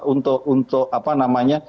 untuk apa namanya